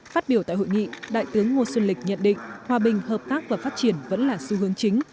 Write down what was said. phát biểu tại hội nghị đại tướng ngô xuân lịch nhận định hòa bình hợp tác và phát triển vẫn là xu hướng chính